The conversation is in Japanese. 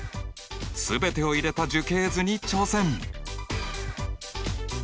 全てを入れた樹形図に挑戦！